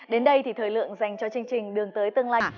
đến đây thì thời lượng dành cho chương trình đường tới tương lai